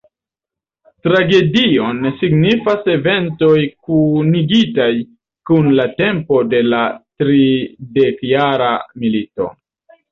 Tragedion signifis eventoj kunigitaj kun la tempo de la tridekjara milito.